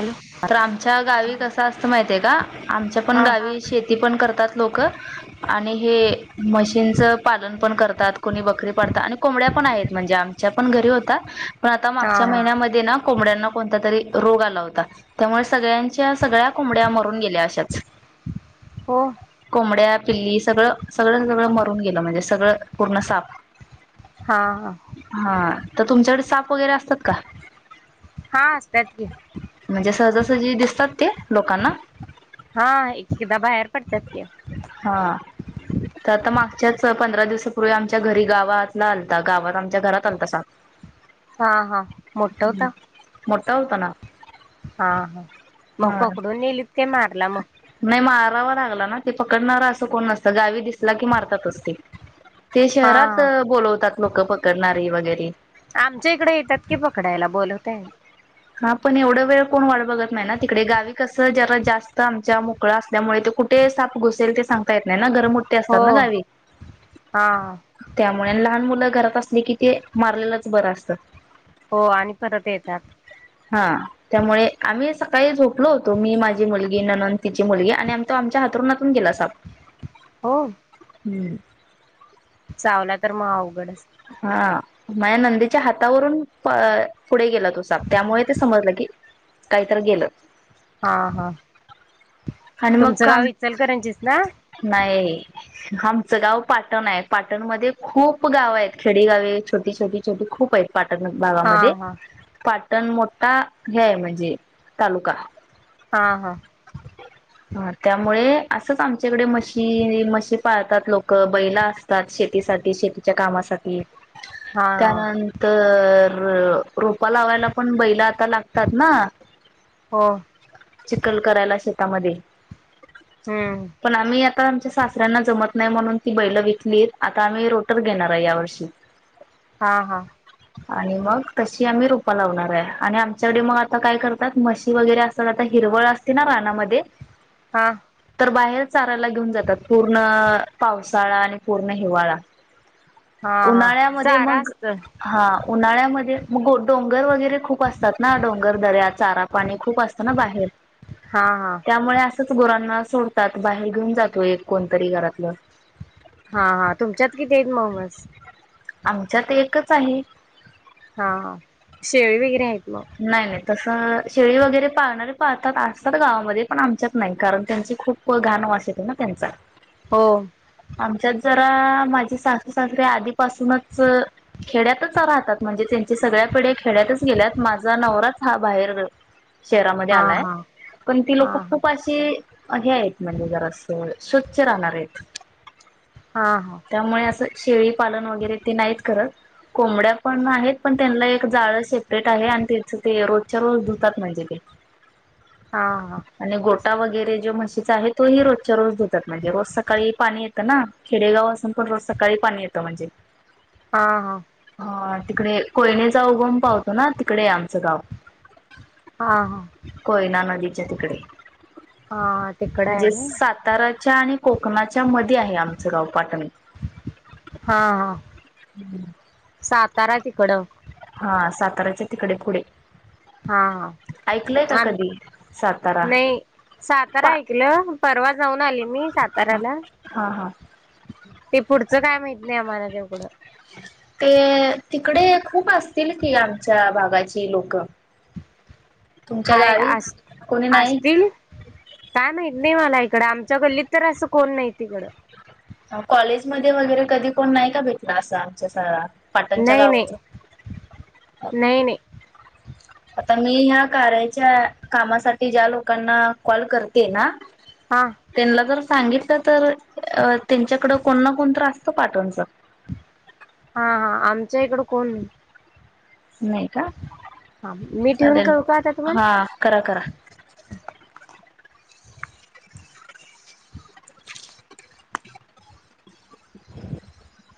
Hello तर आमच्या गावी कसं असतं माहिती आहे का? आमच्या पण हा गावी शेती पण करतात लोकं आणि हे मशीन्चं पालन पण करतात कोणी बकरी पाडतात आणि कोंबड्या पण आहेत म्हणजे आमच्या पण घरी होत्या पण आता हा मागच्या महिन्यामध्ये ना कोंबड्यांना कोणतं तरी रोग आला होता त्यामुळे सगळ्यांच्या सगळ्या कोंबड्या मरून मरून गेल्या आशाचं हो कोंबड्या पिल्ली सगळं सगळं सगळं मरून गेलं म्हणजे सगळं पूर्णसाप हा हा. हिथं तुमच्याकडे साप वगैरे असतात का? हा असत्यात कि म्हणजे सहजासहजी दिसतात ते लोकांना? हा एककदा बाहेर पडतात क हा. आता मागच्याच पंधरा दिवसापूर्वी आमच्या घरी गावातनं आलता गावात आमच्या घरात आलता साप. हा हा मोठाता जावतना. हा हा मग पकडून नेलीत काय मारला मग रावा लागला ना. पकडणारा असं कोण नसत गावी दिसला की मारतातचते. ते हा शहरात हा बोलवतात लोक पकडणार. वगैरे आमच्या इकडे येतात की पकडायला बोलवतय. हा पण एवढं वेळ कोण वाढ बघत नाही ना तिकडे गावी कसं जरा जास्त आमच्या मोकळां असल्यामुळे ते कुठे साफ घुसेल ते सांगता येत नाही ना. हो असतात गा हा त्यामुळे ल आप घरात अस कि ते मारलेलंच बरं असतं. हो आणि परत येतात. हा त्यामुळे आम्ही सकाळी झोपलो होतो मी माझी मुलगी न िची मुलगी आणि आम आमच्या हातरून ून गेला साप हो. हम्. चावला तर मग अवघड. माया नंदीच्या हातावरून पुढे गेला तो साप त्यामुळे ते समजलं की काहीत गेलं. हा हा. आणि मग तुमचं गाव काम इचलकरंजीच ना नाही. चं गाव पाटण आहे पाटणमध्येध्ये खूप गावं आहेत खेडे गावे छोटी छोटी छोटी खूप आहेत. पाटक हा भागामध्ये हा पा पण मोठा हे आहे म्हणजे तालुका हा हा. ह त्यामुळे असंच आमच्याकडे मशी मशी पाळतात लोक बैला असतात शेतीसाठी शेतीच्या कामासाठी हा हा त्यानंतर रोपा लावायला पण बैला लागतात ना हो चिकल करायला. मध्ये हम्म पण आम्ही आता आमच्या सासऱ्यांना जमत. नाही म्हणून ती बैल विकली आता आम्ही रोटर घेणार आहे या वर्षी. हा हा. आणि मग तशी आम्ही रुपा लावणार आहे आणि आमच्याकडे मग आता काय करतात म्हशी वगैरे असात आता हिरवळ असते ना रानामध्ये हा. तर बाहेर चारायला घेऊन जातात पूर्ण पावसाळा आणि पूर्ण हिवाळा हा हा उन्हाळ्यामध्ये चारा मग असत हा उन्हाळ्यामध्ये मग डोंगर वगैरे खूप असतात ना डोंगर दर्यात चारा पाणी खूप असतना बाहेर हा हा त्यामुळे ोरांना सोडतात बाहेर घेऊन जातो एक कोणतरी घरातलं हा हा तुमच्यात किती आहेत मग म्हस आमच्यात एकच आहे हा शेळी वगैरे आहेत मग नाही नाही तसं शेळी वगैरे पाहणारे पाहतात असतात गावामध्ये पण आमच्यात नाही कारण त्यांचे खूप गाण वास येते ना त्यांच हो आमच्यात जरा माझी सासू सासरीे आधीपासूनच खेड्यातच राहतात म्हणजे त्यांची सगळ्या पिढ्या खेड्यातच गेल्यात माझा नवराच हा बाहेर ग शहरामध्ये हा आलाय हा पण ती हा लोक खूप अशी हे आहेत म्हणजे जरा अस स्वच्छ राहणार आहेत हा हा त्यामुळे असं शेळीपालन वगैरे ते नाहीत करत कोंबड्या पण आहेत पण त्यांना एक जाळ सेपरेट आहे आणि त्याच ते रोजच्या रोज धुतात म्हणजे ते हा हा आणि गोटा वगैरे ज म्हशी आहे तोही रोजच्या रोज दो म्हणजेज सकाळी पाणी ना खेडेगाव असून पण रोज सकाळी पाणी येतं म्हणजे हा हा हा ह तिकडे कोयने जा उघम पावतो तिकडे आहे आमचं गाव हा हा कोयना नदीच्या तिकडे हा तिकडं आहे म्हणजे होय. सातारा आणि कोकणाच्या मध्ये आहे आमचं गाव पाटण हा हा सात ताराची कडव हा साताऱ्याच्या तिकडे पुढे हा हा ऐकलंय का आणि कधी सातारा नाही सातारा पा ऐकलं परवा जाऊन आली मी साताऱ्याला हा ह ते पुढचं काय माहित नाही आम्हाला तेवढं ते तिकडे खूप असतील की आमच्या भाग जगाची लोक तुमच्या हाय गावी अस कोणी नाही असतील काय माहि नाही मला इकडं आमच्या कल्लीत तर असं कोण नाही तिकडं कॉलेज मध्ये वगैरे कधी कोण नाही का भेटला असं आमच्या सग नाही नाही नाही नाही आता मी ह्या कारयच्या कामासाठी ज्या लोकांना कॉल करते ना हा त्यांला तर सांगितलं तर त्यांच्याकड कोण ना कोण त्रासत पाठणच हा हा आमच्या इकड कोण नाही नाही का हा मी ठेवून चालेल करू का आता तुम्हाला हा करा करा [unintelligible]